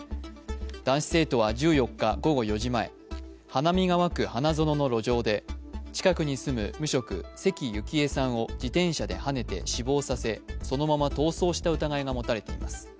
男子生徒は１４日午後４時前花見川区花園の路上で近くに住む無職、関ゆきえさんを自転車ではねて死亡させ、そのまま逃走した疑いがもたれています。